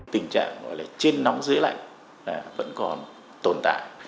tình trạng trên nóng dưới lạnh vẫn còn tồn tại